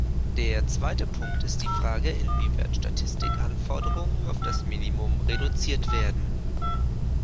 Der zweite Punkt ist die Frage, inwieweit Statistikanforderungen auf das Minimum reduziert werden.